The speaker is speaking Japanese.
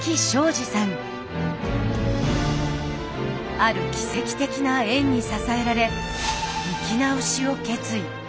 ある奇跡的な縁に支えられ生き直しを決意。